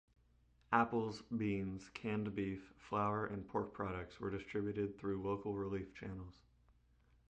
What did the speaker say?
Apples, beans, canned beef, flour and pork products were distributed through local relief channels.